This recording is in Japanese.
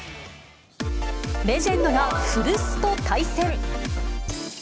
レジェンドが古巣と対戦。